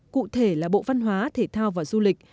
cụ thể là bộ văn hóa thể thao và du lịch